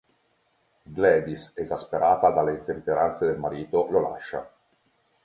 Gladys, esasperata dalle intemperanze del marito, lo lascia.